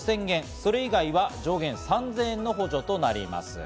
それ以外は上限３０００円の補助となります。